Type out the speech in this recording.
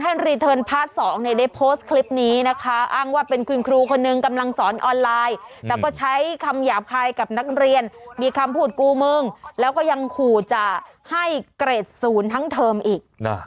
มึงคิดว่ามึงเข้าเรียนแล้วมึงมีบนคุณกับกูเหรอวะ